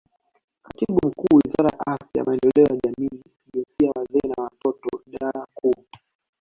Katibu Mkuu Wizara ya Afya Maendeleo ya Jamii Jinsia Wazee na Watoto Idara Kuu